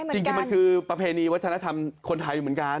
จริงมันคือประเพณีวัฒนธรรมคนไทยเหมือนกัน